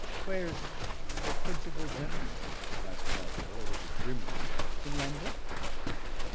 "Where's the principal gentleman?" asked Melville a little grimly. "In London?"